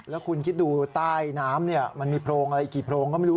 แล้วคุณคิดดูใต้น้ำมันมีโพรงอะไรกี่โพรงก็ไม่รู้